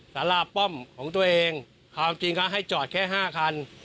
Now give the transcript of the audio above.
สาราป้อมของตัวเองความจริงก็ให้จอดแค่๕คัน